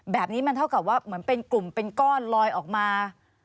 แบบนี้มันเท่ากับว่าเหมือนเป็นกลุ่มเป็นก้อนลอยออกมา